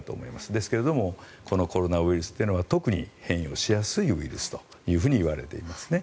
ですけれどもこのコロナウイルスは特に変異をしやすいウイルスといわれていますね。